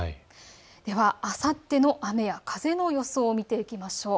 では、あさっての雨や風の予想を見ていきましょう。